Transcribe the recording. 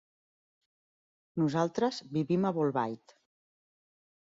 Nosaltres vivim a Bolbait.